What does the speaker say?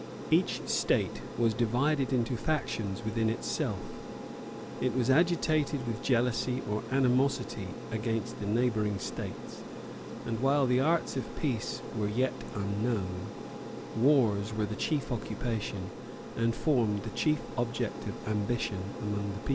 Each state was divided into factions within itself:[] it was agitated with jealousy or animosity against the neighboring states: and while the arts of peace were yet unknown, wars were the chief occupation, and formed the chief object of ambition, among the people.